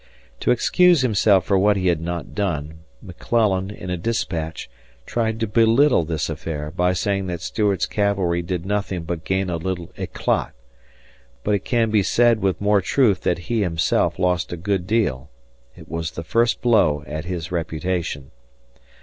To excuse himself for what he had not done, McClellan, in a dispatch, tried to belittle this affair by saying that Stuart's cavalry did nothing but gain a little éclat; but it can be said with more truth that he himself lost a good deal. It was the first blow at his reputation.